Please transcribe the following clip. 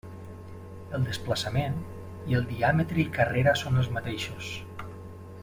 El desplaçament, i el diàmetre i carrera són els mateixos.